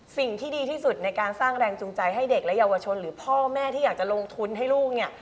สิ่งที่ดีที่สุดในการสร้างแรงจูงใจให้เด็กและเยาวชนหรือพ่อแม่ที่อยากจะลงทุนให้ลูกเนี่ย